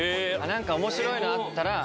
何か面白いのあったら。